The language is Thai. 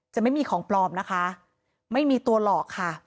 จะไม่มีของปลอมไม่มีตัวหลอก